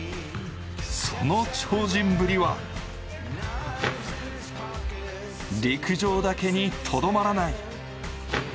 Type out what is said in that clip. その超人ぶりは陸上だけにとどまらない。